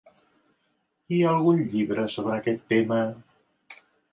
I algun llibre sobre aquest tema?